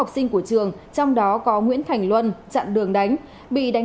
xin chào các bạn